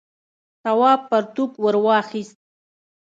تواب پرتوگ ور واخیست.